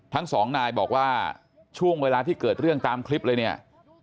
ทั้งสองนายบอกว่าช่วงเวลาที่เกิดเรื่องตามคลิปเลยเนี่ย